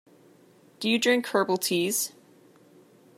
Do you drink herbal teas?